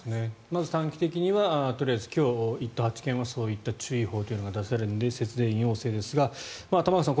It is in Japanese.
まず短期的にはとりあえず今日、１都８県はそういう注意報が出されるので節電要請ですが玉川さん